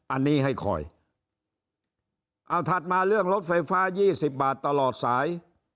อันนี้ให้คอยเอาถัดมาเรื่องรถไฟฟ้า๒๐บาทตลอดสาย